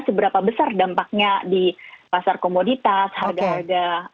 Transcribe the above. seberapa besar dampaknya di pasar komoditas harga harga